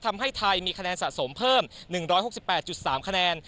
ทำให้ไทยมีคะแนนสะสมเพิ่ม๑๖๘๓คะแนน